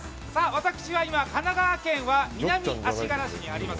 私は今神奈川県は南足柄市にあります